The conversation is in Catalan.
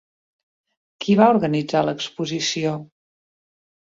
Qui va organitzar l'exposició?